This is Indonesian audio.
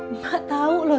emak tau loh